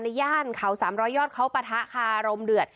ย่านเขา๓๐๐ยอดเขาปะทะคารมเดือด